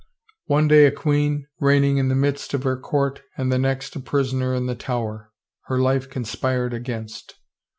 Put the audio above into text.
One day a queen, reigning in the midst of her court, and the next a prisoner in the Tower, her life conspired against!